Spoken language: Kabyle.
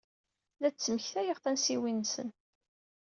La d-ttmektayeɣ tansiwin-nsen.